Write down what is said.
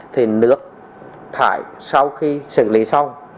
thì nước thải sau khi xử lý xong